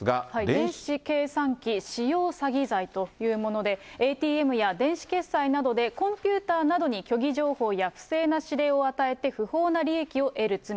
電子計算機使用詐欺罪というもので、ＡＴＭや電子決済などでコンピューターなどに虚偽情報や不正な指令を与えて、不法な利益を得る罪。